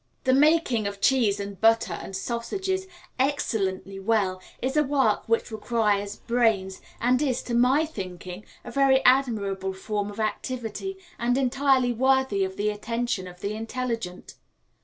The making of cheese and butter and sausages excellently well is a work which requires brains, and is, to my thinking, a very admirable form of activity, and entirely worthy of the attention of the intelligent.